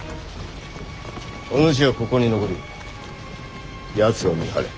お主はここに残りやつを見張れ。